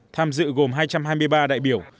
tham dự gồm hai trăm hai mươi ba đại biểu